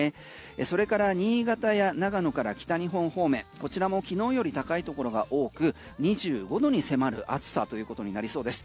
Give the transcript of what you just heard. それから新潟や長野から北日本方面こちらもきのうより高いところが多く２５度に迫る暑さということになりそうです。